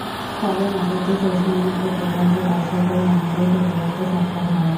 ফলে নাটকটি শেষ মুহূর্ত পর্যন্ত দর্শকদের মনোযোগ ধরে রাখতে সক্ষম হয়।